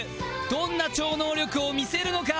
どんな超能力を見せるのか？